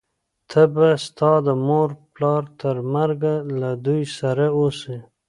ته به ستا د مور و پلار تر مرګه له دوی سره اوسې،